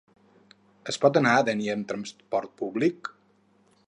Es pot anar a Dénia amb transport públic?